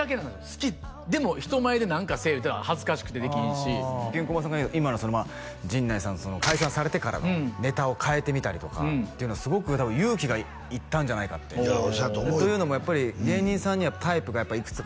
好きでも人前で何かせえ言うたら恥ずかしくてできひんしケンコバさんが今の陣内さん解散されてからのネタを変えてみたりとかってのはすごく勇気がいったんじゃないかってというのもやっぱり芸人さんにはタイプがいくつかあって